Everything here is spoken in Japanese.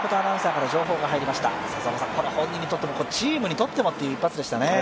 これ本人にとってもチームにとってもという一発でしたね。